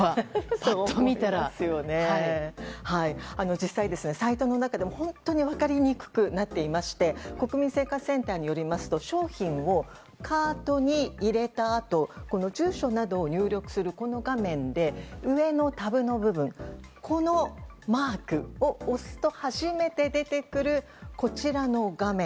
実際、サイトの中でも本当に分かりにくくなっていまして国民生活センターによりますと商品をカートに入れたあと住所などを入力するこの画面で上のタブの部分このマークを押すと初めて出てくる、こちらの画面。